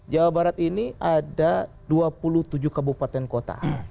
jawa barat ini ada dua puluh tujuh kabupaten kota